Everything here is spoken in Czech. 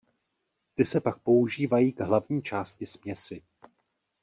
Ty se pak používají k hlavní části směsi.